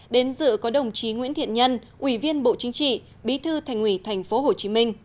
đến dự có đồng chí nguyễn thiện nhân ủy viên bộ chính trị bí thư thành ủy tp hcm